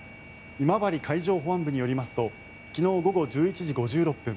今治海上保安部によりますと昨日午後１１時５６分